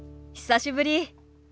久しぶり。